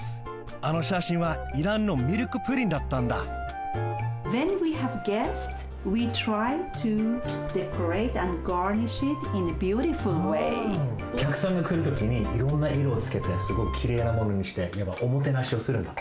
あのしゃしんはイランのミルクプリンだったんだおきゃくさんがくるときにいろんないろをつけてすごくきれいなものにしておもてなしをするんだって。